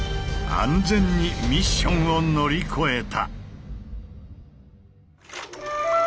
安全にミッションを乗り越えた。